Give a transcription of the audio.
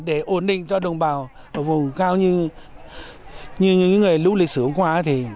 để ổn định cho đồng bào ở vùng cao như lúc lịch sử hôm qua